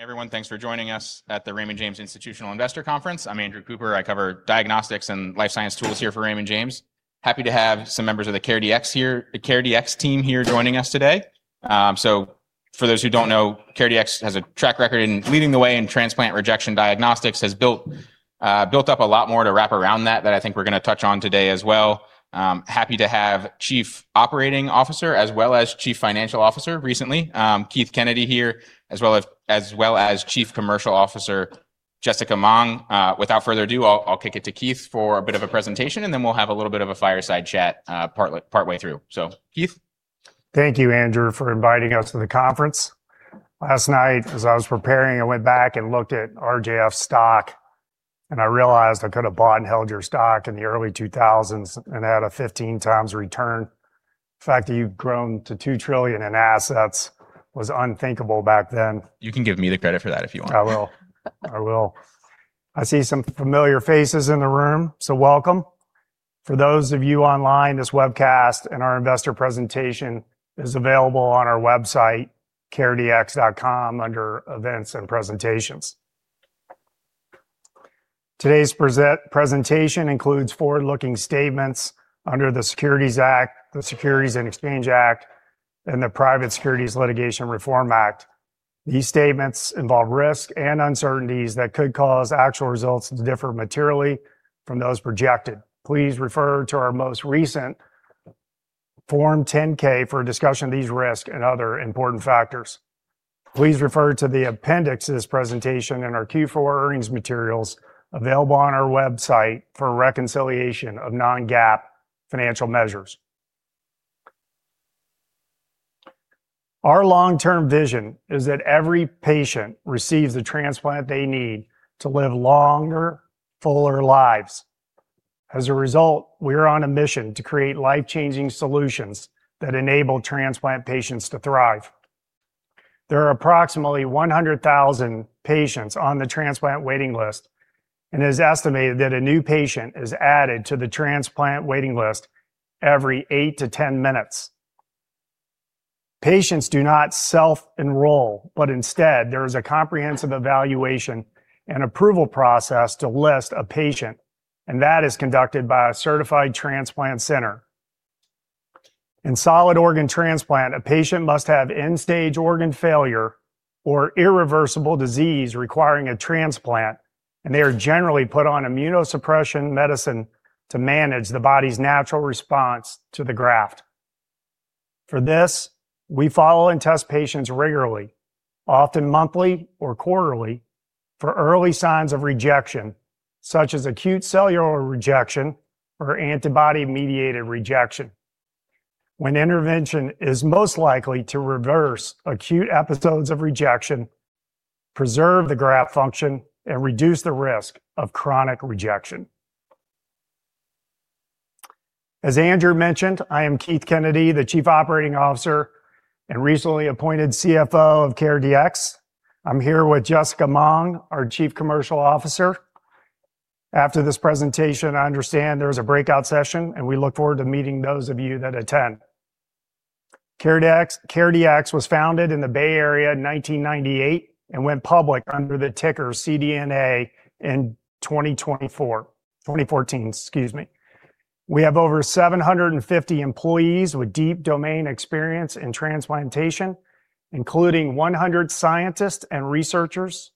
Everyone, thanks for joining us at the Raymond James Institutional Investor Conference. I'm Andrew Cooper. I cover diagnostics and life science tools here for Raymond James. Happy to have some members of the CareDx team here joining us today. For those who don't know, CareDx has a track record in leading the way in transplant rejection diagnostics, has built up a lot more to wrap around that I think we're going to touch on today as well. Happy to have Chief Operating Officer as well as Chief Financial Officer recently, Keith Kennedy here, as well as Chief Commercial Officer Jessica Meng. Without further ado, I'll kick it to Keith for a bit of a presentation, and then we'll have a little bit of a fireside chat part way through. Keith. Thank you, Andrew, for inviting us to the conference. Last night, as I was preparing, I went back and looked at RJF's stock, and I realized I could have bought and held your stock in the early 2000s and had a 15 times return. The fact that you've grown to $2 trillion in assets was unthinkable back then. You can give me the credit for that if you want. I will. I will. I see some familiar faces in the room, so welcome. For those of you online, this webcast and our investor presentation is available on our website, caredx.com, under Events and Presentations. Today's presentation includes forward-looking statements under the Securities Act, the Securities and Exchange Act, and the Private Securities Litigation Reform Act. These statements involve risks and uncertainties that could cause actual results to differ materially from those projected. Please refer to our most recent Form 10-K for a discussion of these risks and other important factors. Please refer to the appendix of this presentation and our Q4 earnings materials available on our website for a reconciliation of non-GAAP financial measures. Our long-term vision is that every patient receives the transplant they need to live longer, fuller lives. As a result, we are on a mission to create life-changing solutions that enable transplant patients to thrive. There are approximately 100,000 patients on the transplant waiting list, and it is estimated that a new patient is added to the transplant waiting list every 8 minutes - 10 minutes. Patients do not self-enroll, but instead there is a comprehensive evaluation and approval process to list a patient, and that is conducted by a certified transplant center. In solid organ transplant, a patient must have end-stage organ failure or irreversible disease requiring a transplant, and they are generally put on immunosuppression medicine to manage the body's natural response to the graft. For this, we follow and test patients regularly, often monthly or quarterly, for early signs of rejection, such as acute cellular rejection or antibody-mediated rejection when intervention is most likely to reverse acute episodes of rejection, preserve the graft function, and reduce the risk of chronic rejection. As Andrew mentioned, I am Keith Kennedy, the Chief Operating Officer and recently appointed CFO of CareDx. I'm here with Jessica Meng, our Chief Commercial Officer. After this presentation, I understand there is a breakout session, we look forward to meeting those of you that attend. CareDx was founded in the Bay Area in 1998 and went public under the ticker CDNA in 2024. 2014, excuse me. We have over 750 employees with deep domain experience in transplantation, including 100 scientists and researchers,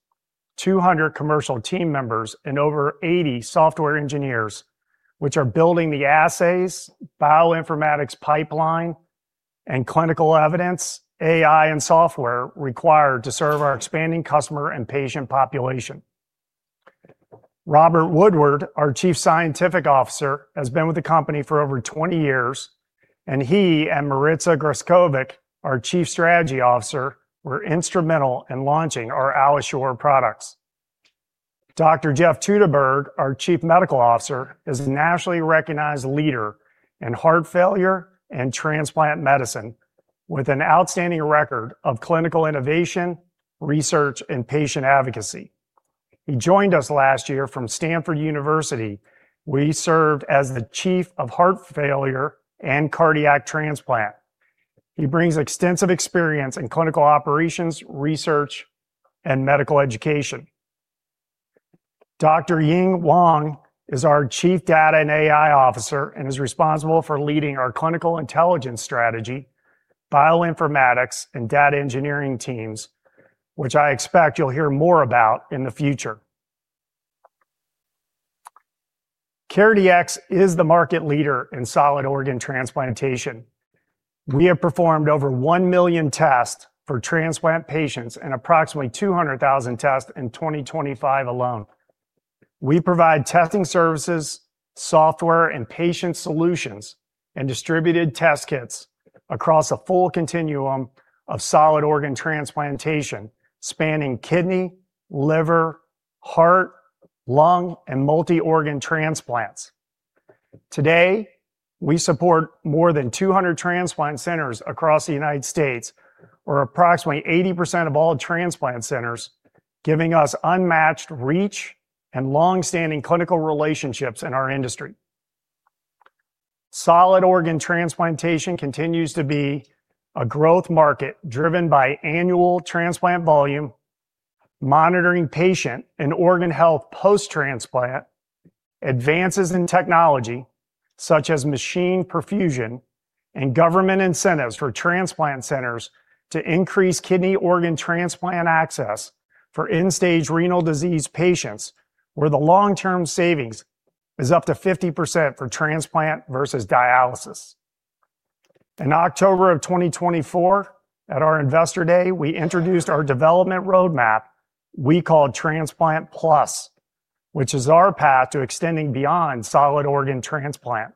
200 commercial team members, and over 80 software engineers, which are building the assays, bioinformatics pipeline and clinical evidence, AI and software required to serve our expanding customer and patient population. Robert Woodward, our Chief Scientific Officer, has been with the company for over 20 years, and he and Marica Grskovic, our Chief Strategy Officer, were instrumental in launching our AlloSure products. Dr. Jeffrey Teuteberg, our Chief Medical Officer, is a nationally recognized leader in heart failure and transplant medicine, with an outstanding record of clinical innovation, research, and patient advocacy. He joined us last year from Stanford University, where he served as the Chief of Heart Failure and Cardiac Transplant. He brings extensive experience in clinical operations, research, and medical education. Dr. Jing Huang is our Chief Data and AI Officer and is responsible for leading our clinical intelligence strategy, bioinformatics, and data engineering teams, which I expect you'll hear more about in the future. CareDx is the market leader in solid organ transplantation. We have performed over 1 million tests for transplant patients and approximately 200,000 tests in 2025 alone. We provide testing services, software, and patient solutions and distributed test kits across a full continuum of solid organ transplantation, spanning kidney, liver, heart, lung, and multi-organ transplants. Today, we support more than 200 transplant centers across the United States, or approximately 80% of all transplant centers, giving us unmatched reach and long-standing clinical relationships in our industry. Solid organ transplantation continues to be a growth market driven by annual transplant volume, monitoring patient and organ health post-transplant, advances in technology such as machine perfusion and government incentives for transplant centers to increase kidney organ transplant access for end-stage renal disease patients, where the long-term savings is up to 50% for transplant versus dialysis. In October of 2024 at our Investor Day, we introduced our development roadmap we call Transplant Plus, which is our path to extending beyond solid organ transplant.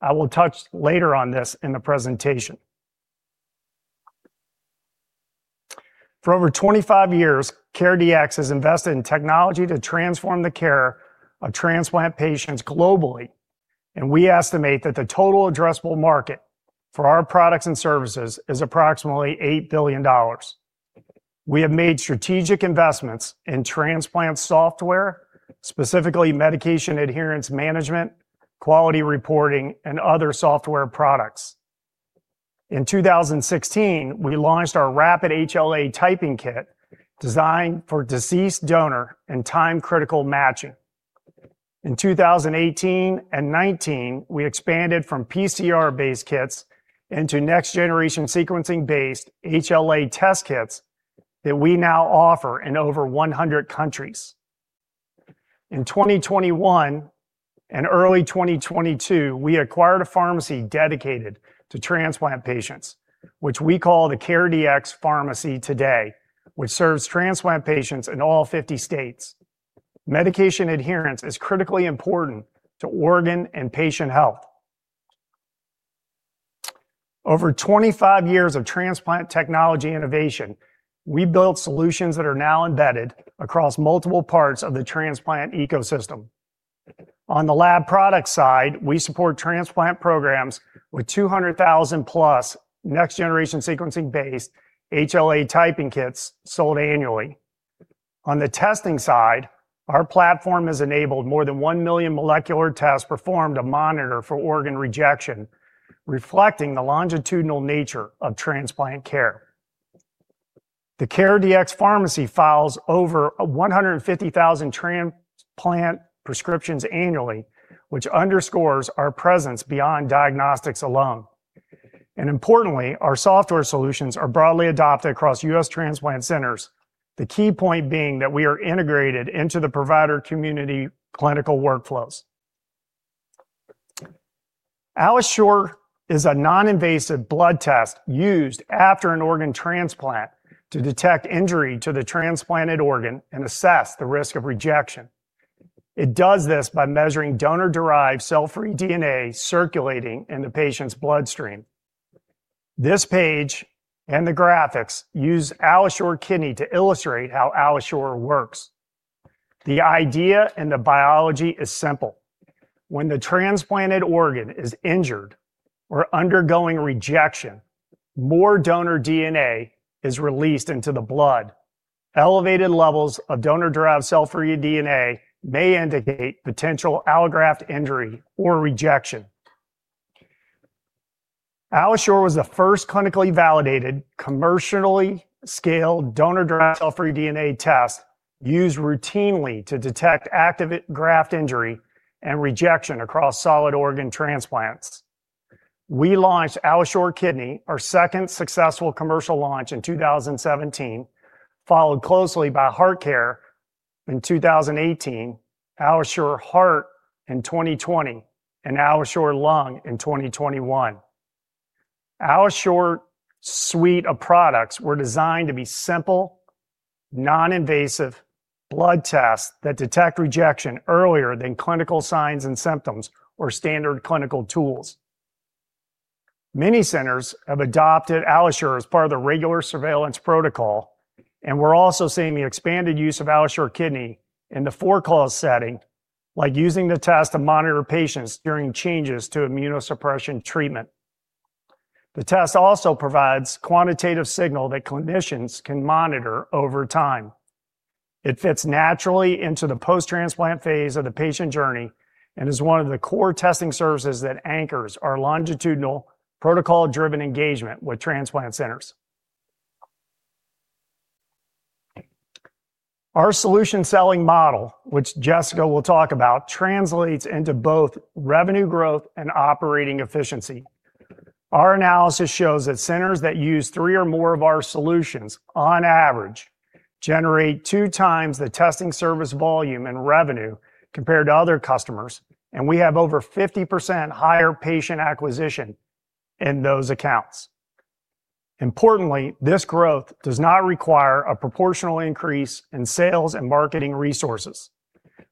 I will touch later on this in the presentation. For over 25 years CareDx has invested in technology to transform the care of transplant patients globally, and we estimate that the total addressable market for our products and services is approximately $8 billion. We have made strategic investments in transplant software, specifically medication adherence management, quality reporting and other software products. In 2016, we launched our rapid HLA Typing Kit designed for deceased donor and time-critical matching. In 2018 and 2019, we expanded from PCR-based kits into next-generation sequencing-based HLA test kits that we now offer in over 100 countries. In 2021 and early 2022, we acquired a pharmacy dedicated to transplant patients, which we call the CareDx Pharmacy today, which serves transplant patients in all 50 states. Medication adherence is critically important to organ and patient health. Over 25 years of transplant technology innovation, we built solutions that are now embedded across multiple parts of the transplant ecosystem. On the lab product side, we support transplant programs with 200,000 plus next-generation sequencing-based HLA Typing Kits sold annually. On the testing side, our platform has enabled more than 1 million molecular tests performed to monitor for organ rejection, reflecting the longitudinal nature of transplant care. The CareDx Pharmacy files over 150,000 transplant prescriptions annually, which underscores our presence beyond diagnostics alone. Importantly, our software solutions are broadly adopted across U.S. transplant centers, the key point being that we are integrated into the provider community clinical workflows. AlloSure is a non-invasive blood test used after an organ transplant to detect injury to the transplanted organ and assess the risk of rejection. It does this by measuring donor-derived cell-free DNA circulating in the patient's bloodstream. This page and the graphics use AlloSure Kidney to illustrate how AlloSure works. The idea and the biology is simple. When the transplanted organ is injured or undergoing rejection, more donor DNA is released into the blood. Elevated levels of donor-derived cell-free DNA may indicate potential allograft injury or rejection. AlloSure was the first clinically validated, commercially scaled donor-derived cell-free DNA test used routinely to detect active graft injury and rejection across solid organ transplants. We launched AlloSure Kidney, our second successful commercial launch in 2017, followed closely by HeartCare in 2018, AlloSure Heart in 2020, and AlloSure Lung in 2021. AlloSure suite of products were designed to be simple, non-invasive blood tests that detect rejection earlier than clinical signs and symptoms or standard clinical tools. Many centers have adopted AlloSure as part of the regular surveillance protocol, and we're also seeing the expanded use of AlloSure Kidney in the for-cause setting, like using the test to monitor patients during changes to immunosuppression treatment. The test also provides quantitative signal that clinicians can monitor over time. It fits naturally into the post-transplant phase of the patient journey and is one of the core testing services that anchors our longitudinal protocol-driven engagement with transplant centers. Our solution selling model, which Jessica will talk about, translates into both revenue growth and operating efficiency. Our analysis shows that centers that use three or more of our solutions on average generate two times the testing service volume and revenue compared to other customers, and we have over 50% higher patient acquisition in those accounts. Importantly, this growth does not require a proportional increase in sales and marketing resources.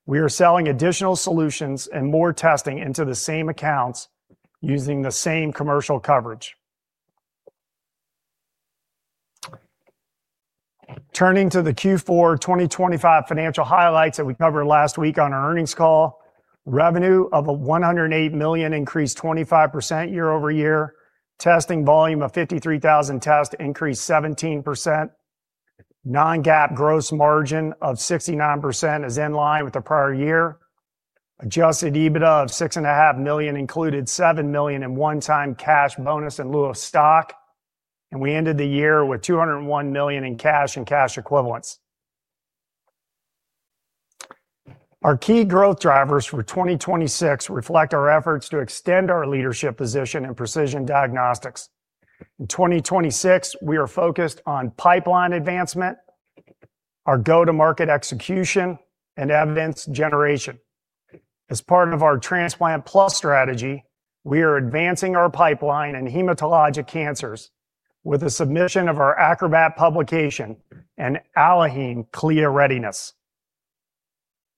We are selling additional solutions and more testing into the same accounts using the same commercial coverage. Turning to the Q4 2025 financial highlights that we covered last week on our earnings call. Revenue of $108 million increased 25% year-over-year. Testing volume of 53,000 tests increased 17%. non-GAAP gross margin of 69% is in line with the prior year. Adjusted EBITDA of six and a half million included $7 million in one-time cash bonus in lieu of stock. We ended the year with $201 million in cash and cash equivalents. Our key growth drivers for 2026 reflect our efforts to extend our leadership position in precision diagnostics. In 2026, we are focused on pipeline advancement, our go-to-market execution, and evidence generation. As part of our Transplant+ strategy, we are advancing our pipeline in hematologic cancers with the submission of our ACROBAT publication and AlloHeme CLIA readiness.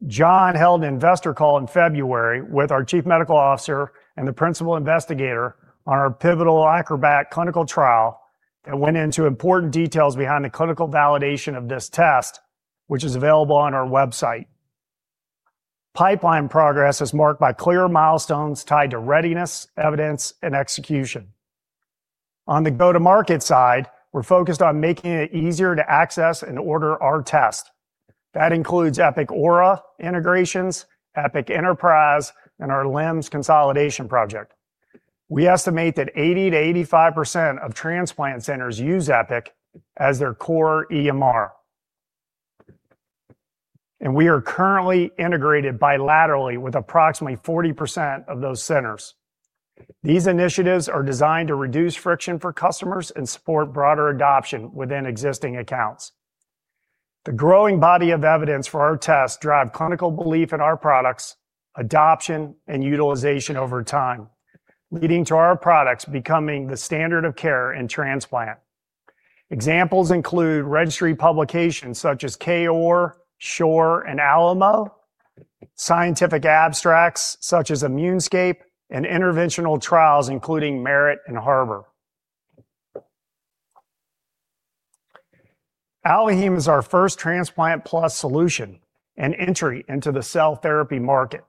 John held an investor call in February with our Chief Medical Officer and the principal investigator on our pivotal ACROBAT clinical trial that went into important details behind the clinical validation of this test, which is available on our website. Pipeline progress is marked by clear milestones tied to readiness, evidence, and execution. On the go-to-market side, we're focused on making it easier to access and order our test. That includes Epic Aura integrations, Epic Enterprise, and our LIMS consolidation project. We estimate that 80%-85% of transplant centers use Epic as their core EMR. We are currently integrated bilaterally with approximately 40% of those centers. These initiatives are designed to reduce friction for customers and support broader adoption within existing accounts. The growing body of evidence for our tests drive clinical belief in our products, adoption, and utilization over time, leading to our products becoming the standard of care in transplant. Examples include registry publications such as KOAR, SHORE, and ALAMO, scientific abstracts such as ImmuneScape, and interventional trials including MERIT and HARBOR. AlloHeme is our first Transplant+ solution and entry into the cell therapy market.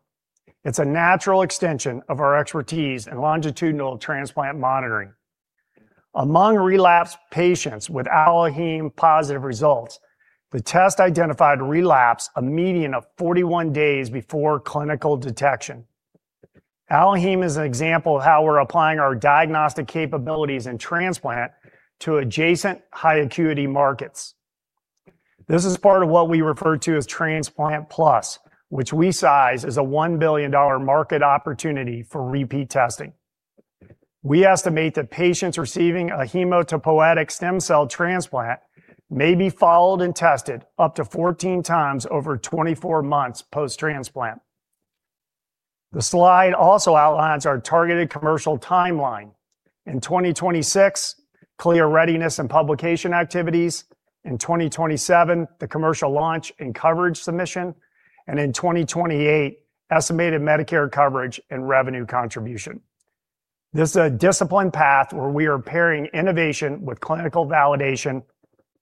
It's a natural extension of our expertise in longitudinal transplant monitoring. Among relapse patients with AlloHeme-positive results, the test identified relapse a median of 41 days before clinical detection. AlloHeme is an example of how we're applying our diagnostic capabilities in transplant to adjacent high-acuity markets. This is part of what we refer to as Transplant+, which we size as a $1 billion market opportunity for repeat testing. We estimate that patients receiving a hematopoietic stem cell transplant may be followed and tested up to 14 times over 24 months post-transplant. The slide also outlines our targeted commercial timeline. In 2026, CLIA readiness and publication activities. In 2027, the commercial launch and coverage submission. In 2028, estimated Medicare coverage and revenue contribution. This is a disciplined path where we are pairing innovation with clinical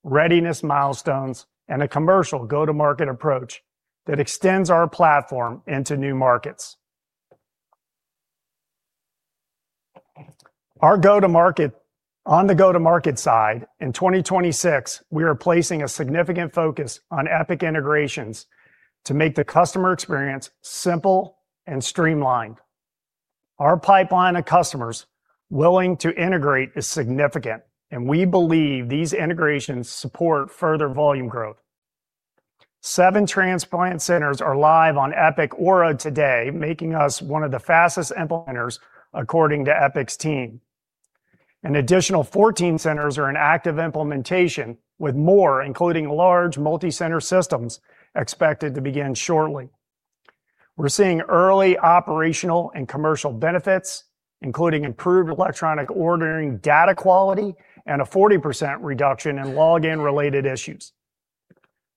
validation, readiness milestones, and a commercial go-to-market approach that extends our platform into new markets. On the go-to-market side, in 2026, we are placing a significant focus on Epic integrations to make the customer experience simple and streamlined. Our pipeline of customers willing to integrate is significant, and we believe these integrations support further volume growth. Seven transplant centers are live on Epic Aura today, making us one of the fastest implementers according to Epic's team. An additional 14 centers are in active implementation, with more, including large multi-center systems, expected to begin shortly. We're seeing early operational and commercial benefits, including improved electronic ordering, data quality, and a 40% reduction in login-related issues.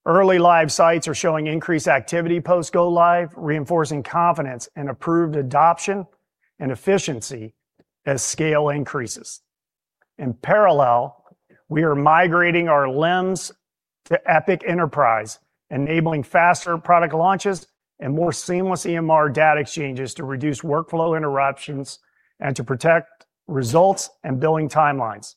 Early live sites are showing increased activity post go live, reinforcing confidence in approved adoption and efficiency as scale increases. In parallel, we are migrating our LIMS to Epic Enterprise, enabling faster product launches and more seamless EMR data exchanges to reduce workflow interruptions and to protect results and billing timelines.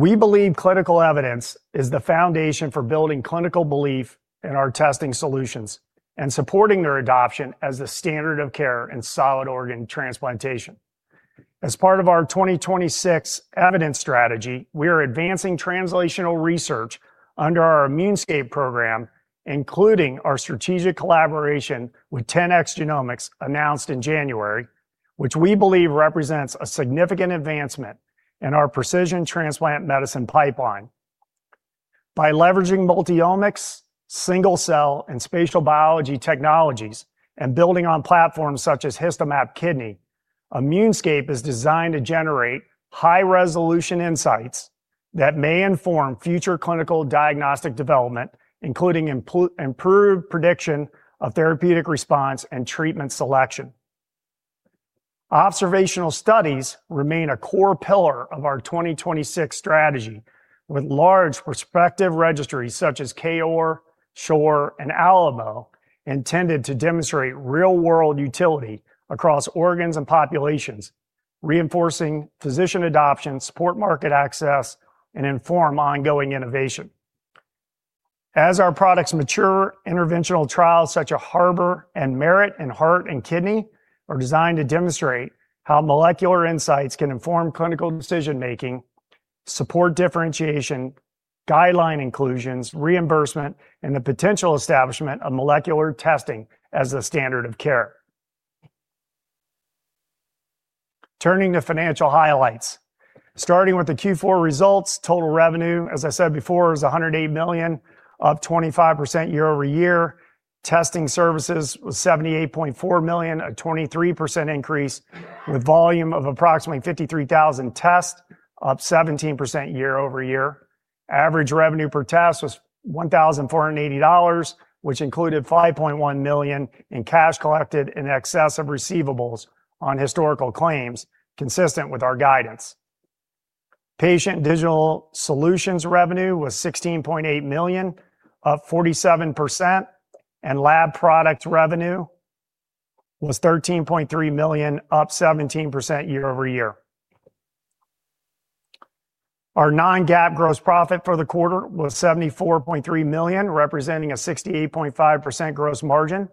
We believe clinical evidence is the foundation for building clinical belief in our testing solutions and supporting their adoption as the standard of care in solid organ transplantation. As part of our 2026 evidence strategy, we are advancing translational research under our ImmuneScape program, including our strategic collaboration with 10x Genomics announced in January, which we believe represents a significant advancement in our precision transplant medicine pipeline. By leveraging multiomics, single-cell, and spatial biology technologies and building on platforms such as HistoMap Kidney, ImmuneScape is designed to generate high-resolution insights that may inform future clinical diagnostic development, including improved prediction of therapeutic response and treatment selection. Observational studies remain a core pillar of our 2026 strategy. With large prospective registries such as KOAR, SHORE, and ALAMO intended to demonstrate real-world utility across organs and populations reinforcing physician adoption, support market access, and inform ongoing innovation. As our products mature, interventional trials such as HARBOR and MERIT in heart and kidney are designed to demonstrate how molecular insights can inform clinical decision-making, support differentiation, guideline inclusions, reimbursement, and the potential establishment of molecular testing as a standard of care. Turning to financial highlights. Starting with the Q4 results, total revenue, as I said before, was $108 million, up 25% year-over-year. Testing services was $78.4 million, a 23% increase with volume of approximately 53,000 tests, up 17% year-over-year. Average revenue per test was $1,480, which included $5.1 million in cash collected in excess of receivables on historical claims, consistent with our guidance. Patient digital solutions revenue was $16.8 million, up 47%, and lab product revenue was $13.3 million, up 17% year-over-year. Our non-GAAP gross profit for the quarter was $74.3 million, representing a 68.5% gross margin.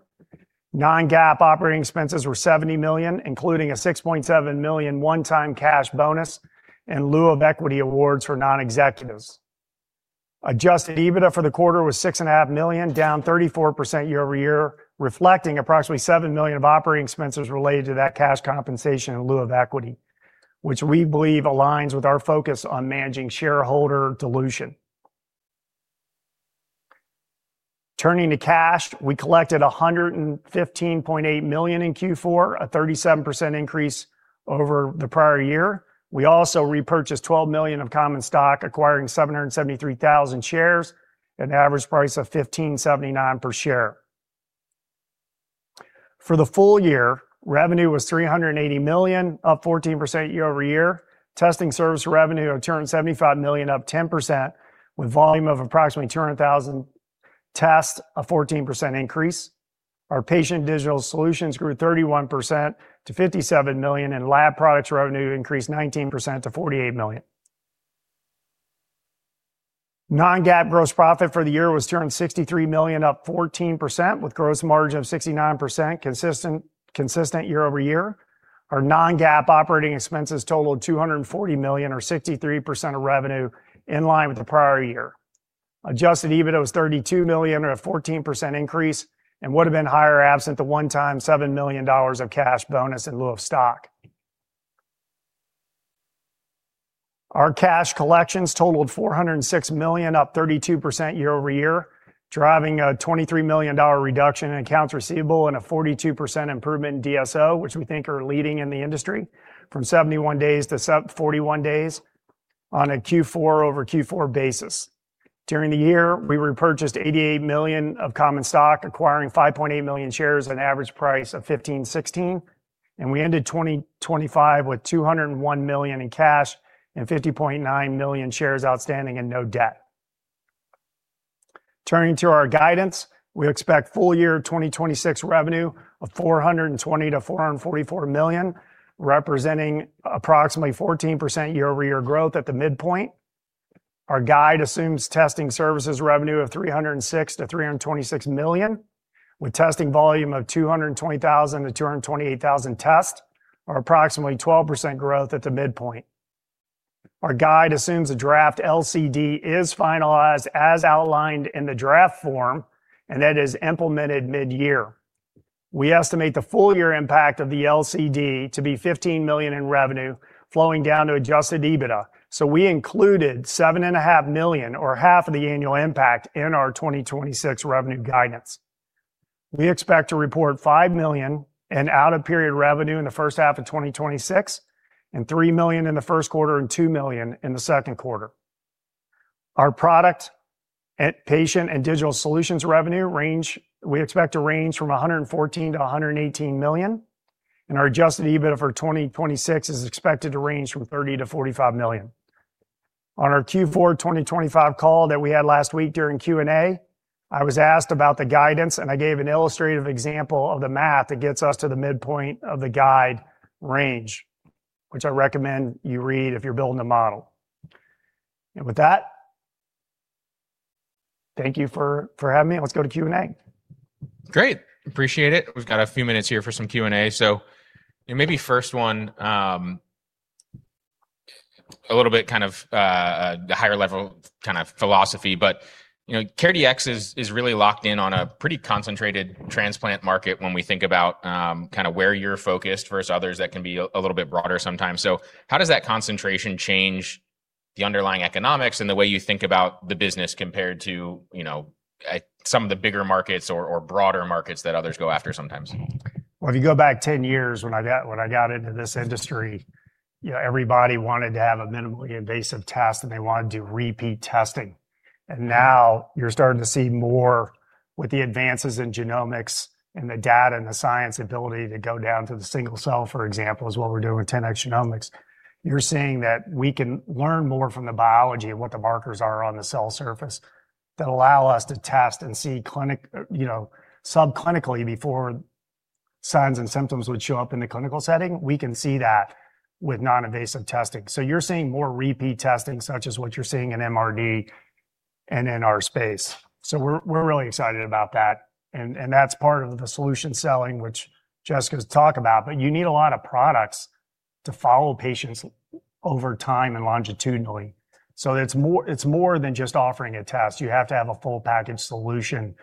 Non-GAAP operating expenses were $70 million, including a $6.7 million one-time cash bonus in lieu of equity awards for non-executives. Adjusted EBITDA for the quarter was six and a half million, down 34% year-over-year, reflecting approximately $7 million of operating expenses related to that cash compensation in lieu of equity, which we believe aligns with our focus on managing shareholder dilution. Turning to cash, we collected $115.8 million in Q4, a 37% increase over the prior year. We also repurchased $12 million of common stock, acquiring 773,000 shares at an average price of $15.79 per share. For the full year, revenue was $380 million, up 14% year-over-year. Testing service revenue of $275 million, up 10% with volume of approximately 200,000 tests, a 14% increase. Our patient digital solutions grew 31% to $57 million, and lab products revenue increased 19% to $48 million. Non-GAAP gross profit for the year was $263 million, up 14% with gross margin of 69%, consistent year-over-year. Our non-GAAP operating expenses totaled $240 million or 63% of revenue in line with the prior year. Adjusted EBITDA was $32 million or a 14% increase and would have been higher absent the one-time $7 million of cash bonus in lieu of stock. Our cash collections totaled $406 million, up 32% year-over-year, driving a $23 million reduction in accounts receivable and a 42% improvement in DSO, which we think are leading in the industry from 71 days to 41 days on a Q4-over-Q4 basis. During the year, we repurchased $88 million of common stock, acquiring 5.8 million shares at an average price of $15.16, and we ended 2025 with $201 million in cash and 50.9 million shares outstanding and no debt. Turning to our guidance, we expect full year 2026 revenue of $420 million-$444 million, representing approximately 14% year-over-year growth at the midpoint. Our guide assumes testing services revenue of $306 million-$326 million, with testing volume of 220,000-228,000 tests or approximately 12% growth at the midpoint. Our guide assumes a draft LCD is finalized as outlined in the draft form and that is implemented mid-year. We estimate the full year impact of the LCD to be $15 million in revenue flowing down to Adjusted EBITDA. We included $7.5 million or half of the annual impact in our 2026 revenue guidance. We expect to report $5 million in out-of-period revenue in the first half of 2026 and $3 million in the first quarter and $2 million in the second quarter. Our product at patient and digital solutions revenue range, we expect to range from $114 million-$118 million, and our Adjusted EBITDA for 2026 is expected to range from $30 million-$45 million. On our Q4 2025 call that we had last week during Q&A, I was asked about the guidance, and I gave an illustrative example of the math that gets us to the midpoint of the guide range, which I recommend you read if you're building a model. With that, thank you for having me, and let's go to Q&A. Great. Appreciate it. We've got a few minutes here for some Q&A. you know, maybe first one, a little bit kind of the higher level kind of philosophy, but, you know, CareDx is really locked in on a pretty concentrated transplant market when we think about kinda where you're focused versus others that can be a little bit broader sometimes. How does that concentration change the underlying economics and the way you think about the business compared to, you know, some of the bigger markets or broader markets that others go after sometimes? Well, if you go back 10 years when I got into this industry, you know, everybody wanted to have a minimally invasive test, and they wanted to do repeat testing. Now you're starting to see more with the advances in genomics and the data and the science ability to go down to the single cell, for example, is what we're doing with 10x Genomics. You're seeing that we can learn more from the biology of what the markers are on the cell surface that allow us to test and see clinic, you know, sub-clinically before signs and symptoms would show up in the clinical setting. We can see that with non-invasive testing. You're seeing more repeat testing, such as what you're seeing in MRD and in our space. We're really excited about that, and that's part of the solution selling, which Jessica's talked about. You need a lot of products to follow patients over time and longitudinally. It's more than just offering a test. You have to have a full package solution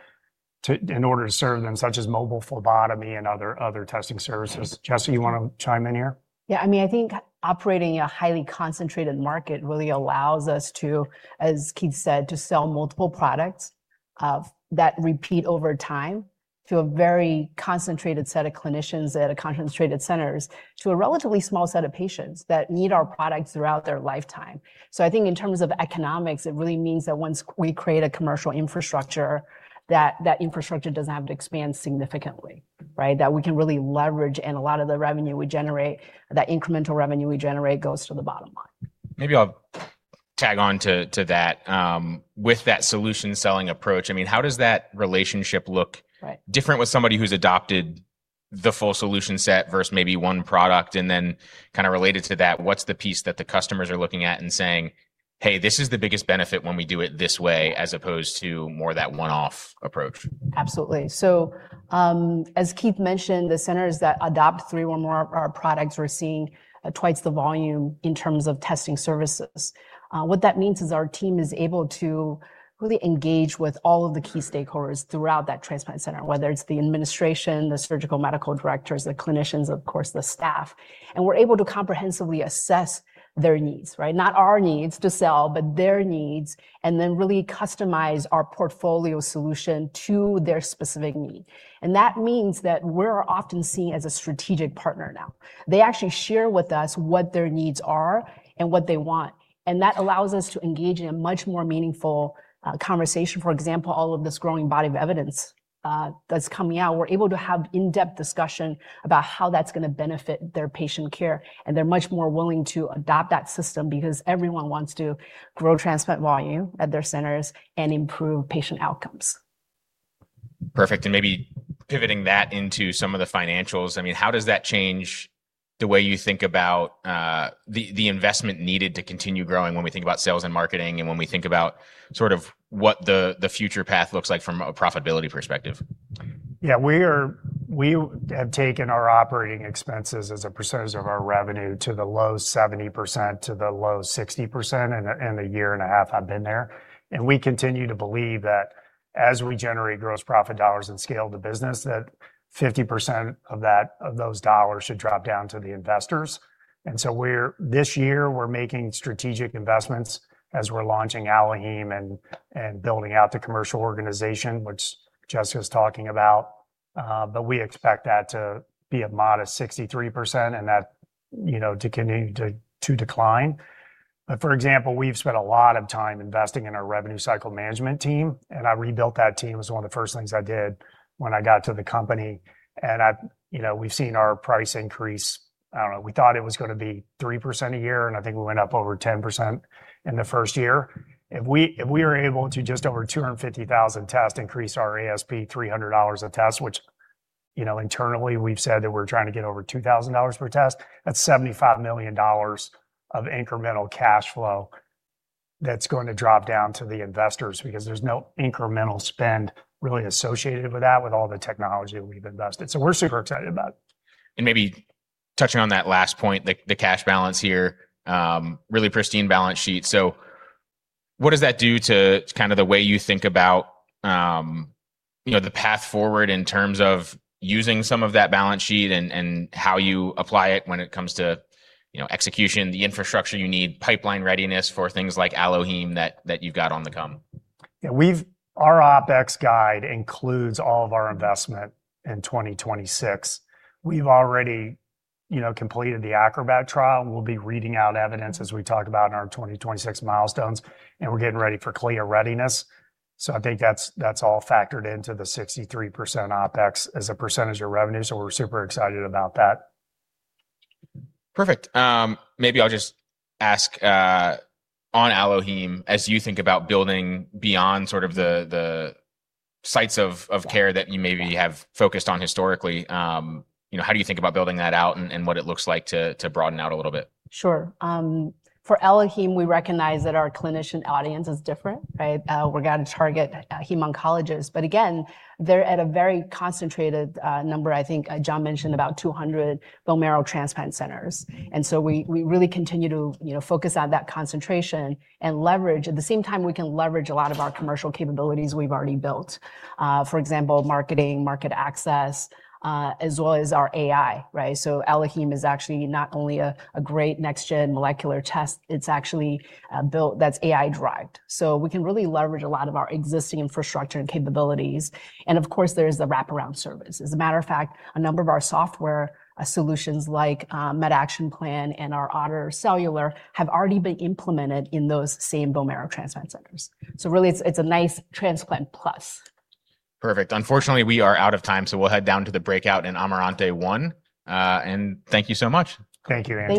to, in order to serve them, such as mobile phlebotomy and other testing services. Jessica, you wanna chime in here? I mean, I think operating a highly concentrated market really allows us to, as Keith said, to sell multiple products of that repeat over time to a very concentrated set of clinicians at a concentrated centers to a relatively small set of patients that need our products throughout their lifetime. I think in terms of economics, it really means that once we create a commercial infrastructure, that infrastructure doesn't have to expand significantly, right? That we can really leverage and a lot of the revenue we generate, that incremental revenue we generate goes to the bottom line. Maybe I'll tag on to that. With that solution selling approach, I mean, how does that relationship look? Right... different with somebody who's adopted the full solution set versus maybe one product? Kind of related to that, what's the piece that the customers are looking at and saying, "Hey, this is the biggest benefit when we do it this way as opposed to more that one-off approach"? Absolutely. As Keith mentioned, the centers that adopt three or more of our products are seeing twice the volume in terms of testing services. What that means is our team is able to really engage with all of the key stakeholders throughout that transplant center, whether it's the administration, the surgical medical directors, the clinicians, of course, the staff. We're able to comprehensively assess their needs, right? Not our needs to sell, but their needs, and then really customize our portfolio solution to their specific need. That means that we're often seen as a strategic partner now. They actually share with us what their needs are and what they want, and that allows us to engage in a much more meaningful conversation. For example, all of this growing body of evidence, that's coming out, we're able to have in-depth discussion about how that's gonna benefit their patient care, and they're much more willing to adopt that system because everyone wants to grow transplant volume at their centers and improve patient outcomes. Maybe pivoting that into some of the financials. I mean, how does that change the way you think about the investment needed to continue growing when we think about sales and marketing, and when we think about sort of what the future path looks like from a profitability perspective? Yeah, we have taken our operating expenses as a percentage of our revenue to the low 70%, to the low 60% in a year and a half I've been there. We continue to believe that as we generate gross profit dollars and scale the business, that 50% of those dollars should drop down to the investors. This year, we're making strategic investments as we're launching AlloHeme and building out the commercial organization, which Jessica's talking about. We expect that to be a modest 63% and that, you know, to continue to decline. For example, we've spent a lot of time investing in our revenue cycle management team, and I rebuilt that team. It was one of the first things I did when I got to the company, you know, we've seen our price increase. I don't know, we thought it was gonna be 3% a year, and I think we went up over 10% in the first year. If we were able to just over 250,000 tests increase our ASP $300 a test, which, you know, internally we've said that we're trying to get over $2,000 per test, that's $75 million of incremental cash flow that's going to drop down to the investors because there's no incremental spend really associated with that with all the technology we've invested. We're super excited about it. Maybe touching on that last point, the cash balance here, really pristine balance sheet. What does that do to kind of the way you think about, you know, the path forward in terms of using some of that balance sheet and how you apply it when it comes to, you know, execution, the infrastructure you need, pipeline readiness for things like AlloHeme that you've got on the come? Our OpEx guide includes all of our investment in 2026. We've already, you know, completed the ACROBAT trial. We'll be reading out evidence as we talk about in our 2026 milestones. We're getting ready for CLIA readiness. I think that's all factored into the 63% OpEx as a percentage of revenue. We're super excited about that. Perfect. maybe I'll just ask on AlloHeme, as you think about building beyond sort of the sites of care that you maybe have focused on historically, you know, how do you think about building that out and what it looks like to broaden out a little bit? Sure. For AlloHeme, we recognize that our clinician audience is different, right? We're gonna target hem oncologists. Again, they're at a very concentrated number. I think John mentioned about 200 bone marrow transplant centers. We really continue to, you know, focus on that concentration and leverage. At the same time, we can leverage a lot of our commercial capabilities we've already built, for example, marketing, market access, as well as our AI, right? AlloHeme is actually not only a great next-gen molecular test, it's actually built that's AI-derived. We can really leverage a lot of our existing infrastructure and capabilities, and of course, there's the wraparound service. As a matter of fact, a number of our software solutions like, MedActionPlan and our OTTR Cellular have already been implemented in those same bone marrow transplant centers. Really it's a nice Transplant Plus. Perfect. Unfortunately, we are out of time, so we'll head down to the breakout in Amarante I. Thank you so much. Thank you, Andrew.